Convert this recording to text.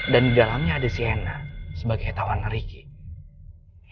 dan di dalamnya ada sienna sebagai tawannya ricky